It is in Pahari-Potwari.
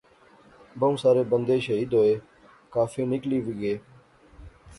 بہوں سارے بندے شہید ہوئے، کافی نکلی وی گئے